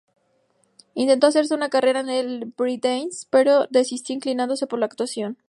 Intentó hacerse una carrera en el "breakdance" pero desistió, inclinándose por la actuación.